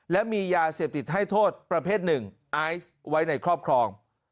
และมียาเสพติดให้โทษประเภทหนึ่งไอซ์ไว้ในครอบครอง